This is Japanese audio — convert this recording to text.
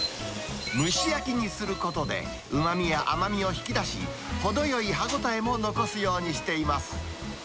蒸し焼きにすることで、うまみや甘みを引き出し、程よい歯応えも残すようにしています。